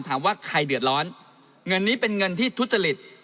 ถามว่าใครเดือดร้อนเงินนี้เป็นเงินที่ทุจริต